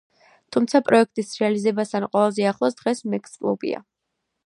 თუმცა, პროექტის რეალიზებასთან ყველაზე ახლოს დღეს „მექსლუპია“.